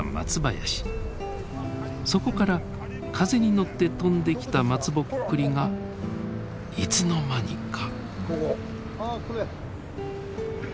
そこから風に乗って飛んできた松ぼっくりがいつの間にか。